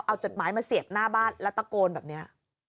เอาจดหมายมาเสียบหน้าบ้านแล้วตะโกนแบบนี้